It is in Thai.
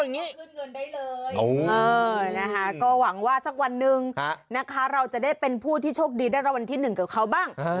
อย่างนี้ขึ้นเงินได้เลยนะคะก็หวังว่าสักวันหนึ่งนะคะเราจะได้เป็นผู้ที่โชคดีได้รางวัลที่๑กับเขาบ้าง